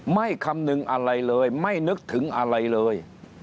คำนึงอะไรเลยไม่นึกถึงอะไรเลย